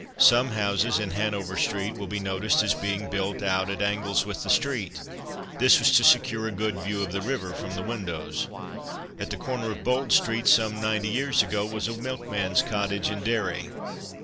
Some houses in Hanover street will be noticed as being built out at angles with the street. This was to secure a good view of the river from the windows. At the corner of Bold street some ninety years ago was a milkman's cottage and dairy.